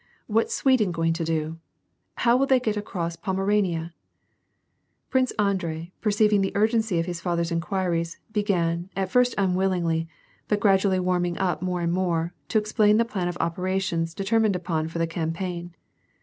" What's Sweden going to do ? How will they get across Pomerania ?" Prince Andrei, perceiving the urgency of his father's infiuir ies, began, at first unwillingly, but gradually warming up more and more, to explain the plan of operations determined upon for the campaign.